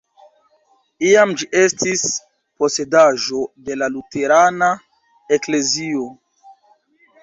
Iam ĝi estis posedaĵo de la luterana eklezio.